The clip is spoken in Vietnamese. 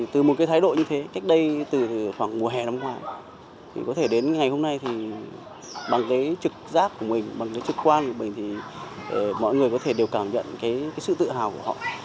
từ khoảng mùa hè năm ngoài có thể đến ngày hôm nay bằng cái trực giác của mình bằng cái trực quan của mình thì mọi người có thể đều cảm nhận cái sự tự hào của họ